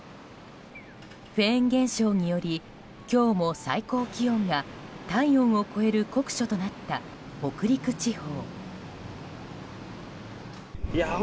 フェーン現象により今日も最高気温が体温を超える酷暑となった北陸地方。